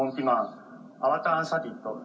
ใช่ป่าล